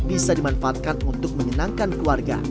bisa dimanfaatkan untuk menyenangkan keluarga